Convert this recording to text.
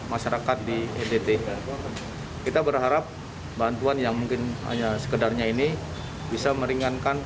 masyarakat di ntt kita berharap bantuan yang mungkin hanya sekedarnya ini bisa meringankan